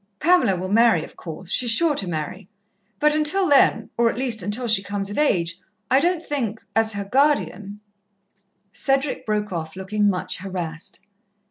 "Pamela will marry, of course. She's sure to marry, but until then or at least until she comes of age I don't think as her guardian " Cedric broke off, looking much harassed.